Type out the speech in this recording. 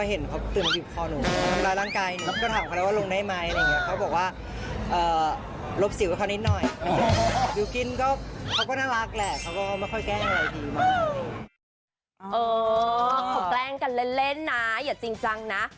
เขาแกล้งกันเล่นนะอย่าจริงจังนะ